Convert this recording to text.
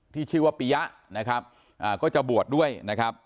ที่ชื่อว่าปียะนะครับก็จะบวชด้วยนะครับ